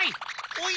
おい！